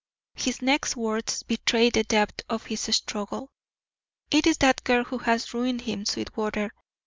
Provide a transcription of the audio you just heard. His next words betrayed the depth of his struggle: "It is that girl who has ruined him, Sweetwater.